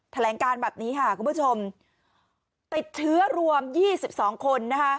แถลงการแบบนี้คุณผู้ชมติดเทือรวม๒๒คน